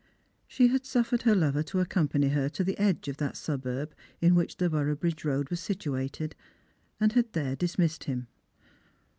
She had suffered her lover to accomjiany her to the edge of that suburb in which the Boroughbridge road was situated, and had there dismissed him.